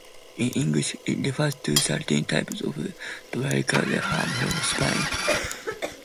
In English it refers to certain types of dry-cured ham from Spain.